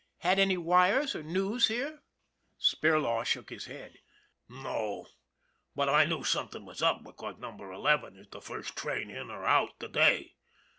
Had any wires or news in here ?" Spirlaw shook his head. " No ; but I knew something was up, because Num ber Eleven is the first train in or out to day.